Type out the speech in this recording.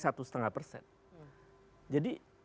jadi apa dampaknya